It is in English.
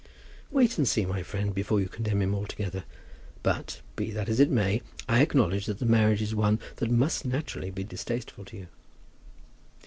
"Wait and see, my friend, before you condemn him altogether. But, be that as it may, I acknowledge that the marriage is one which must naturally be distasteful to you."